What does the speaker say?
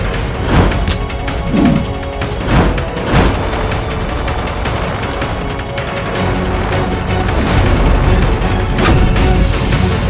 dari kota bawah